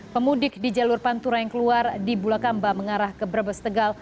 pemudik di jalur pantura yang keluar di bulakamba mengarah ke brebes tegal